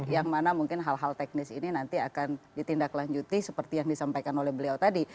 yang mana mungkin hal hal teknis ini nanti akan ditindaklanjuti seperti yang disampaikan oleh beliau tadi